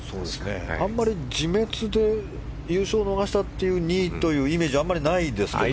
あんまり自滅で優勝を逃したというイメージがあまりないですけど。